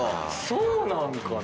そうなんかなぁ。